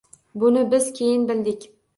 Buni biz keyin bildik.